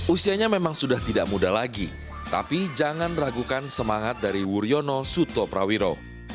usianya memang sudah tidak muda lagi tapi jangan ragukan semangat dari wuryono suto prawiro